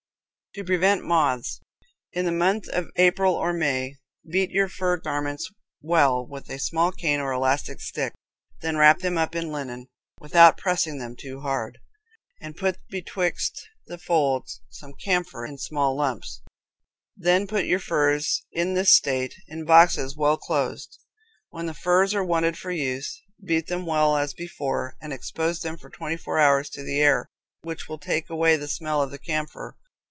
To Prevent Moths. In the month of April or May, beat your fur garments well with a small cane or elastic stick, then wrap them up in linen, without pressing them too hard, and put betwixt the folds some camphor in small lumps; then put your furs in this state in boxes well closed. When the furs are wanted for use, beat them well as before, and expose them for twenty four hours to the air, which will take away the smell of the camphor.